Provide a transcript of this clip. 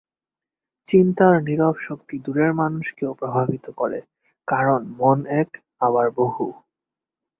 চিন্তার নীরব শক্তি দূরের মানুষকেও প্রভাবিত করে, কারণ মন এক, আবার বহু।